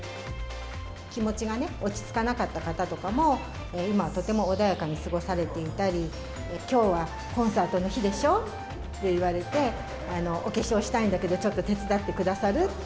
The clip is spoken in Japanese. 気持ちが落ち着かなかった方も、今、とても穏やかに過ごされていたり、きょうはコンサートの日でしょうって言われて、お化粧したいんだけど、ちょっと手伝ってくださる？って